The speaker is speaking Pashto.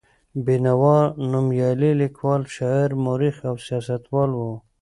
بېنوا نومیالی لیکوال، شاعر، مورخ او سیاستوال و.